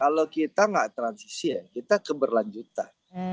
kalau kita nggak transisi ya kita keberlanjutan